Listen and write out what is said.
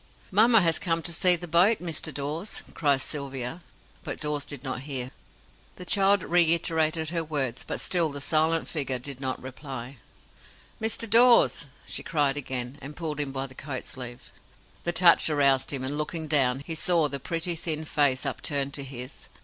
"Mamma has come to see the boat, Mr. Dawes!" cries Sylvia, but Dawes did not hear. The child reiterated her words, but still the silent figure did not reply. "Mr. Dawes!" she cried again, and pulled him by the coat sleeve. The touch aroused him, and looking down, he saw the pretty, thin face upturned to his.